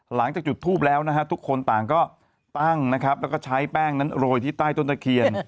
หลังจากจุดทูปแล้วนะฮะทุกคนต่างก็ตั้งนะครับแล้วก็ใช้แป้งนั้นโรยที่ใต้ต้นตะเคียน